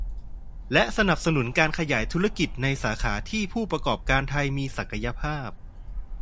และสนับสนุนการขยายธุรกิจในสาขาที่ผู้ประกอบการไทยมีศักยภาพ